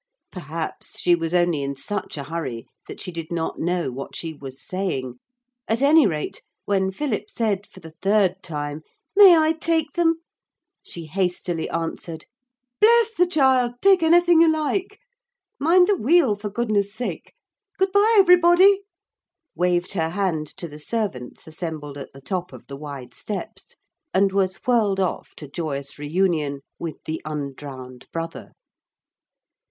Perhaps she was only in such a hurry that she did not know what she was saying. At any rate, when Philip said for the third time, 'May I take them?' she hastily answered: 'Bless the child! Take anything you like. Mind the wheel, for goodness' sake. Good bye, everybody!' waved her hand to the servants assembled at the top of the wide steps, and was whirled off to joyous reunion with the undrowned brother.